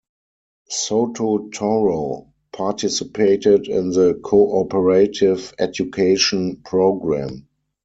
Soto Toro participated in the Cooperative Education Program.